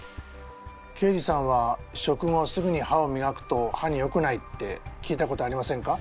刑事さんは食後すぐに歯をみがくと歯によくないって聞いたことありませんか？